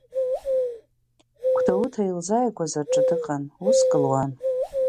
Гәдоуҭа илзааигәаз рҿы дыҟан, уск луан.